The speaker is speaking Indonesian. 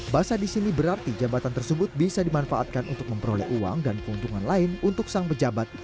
bahasa di sini berarti jabatan tersebut bisa dimanfaatkan untuk memperoleh uang dan keuntungan lain untuk sang pejabat